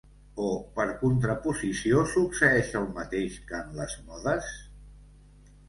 O per contraposició succeeix el mateix que en les modes?